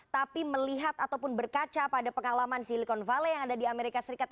tapi melihat ataupun berkaca pada pengalaman silicon valle yang ada di amerika serikat